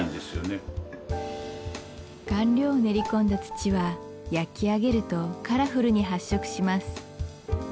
顔料を練り込んだ土は焼き上げるとカラフルに発色します